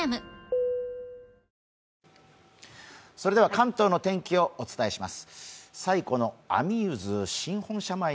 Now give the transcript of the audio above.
関東の天気をお伝えします。